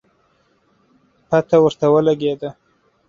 پته ورته ولګېده